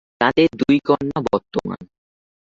তাদের দুই কন্যা বর্তমান।